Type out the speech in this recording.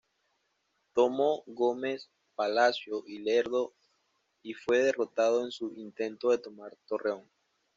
Tomó Gómez Palacio y Lerdo y fue derrotado en su intento de tomar Torreón.